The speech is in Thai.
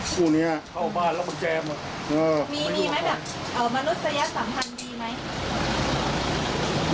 คู่นี้เข้าบ้านแล้วมันแจมมีมีไหมแบบมนุษยสัมพันธ์ดีไหม